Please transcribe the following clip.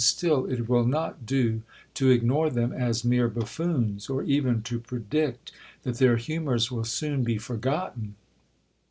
still it will not do to ignore them as mere buffoons, or even to predict that their humours will soon be forgotten."